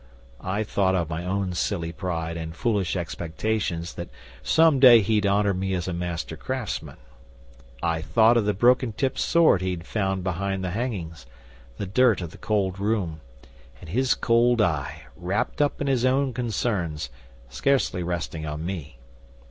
I thought of my own silly pride and foolish expectations that some day he'd honour me as a master craftsman. I thought of the broken tipped sword he'd found behind the hangings; the dirt of the cold room, and his cold eye, wrapped up in his own concerns, scarcely resting on me.